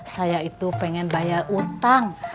saya itu pengen bayar utang